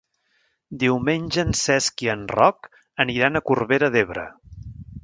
Diumenge en Cesc i en Roc aniran a Corbera d'Ebre.